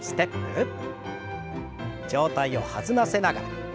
上体を弾ませながら。